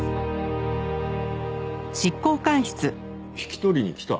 引き取りに来た？